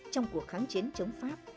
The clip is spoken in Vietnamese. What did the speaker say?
trong cuộc kháng chiến chống pháp